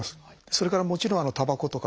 それからもちろんたばことか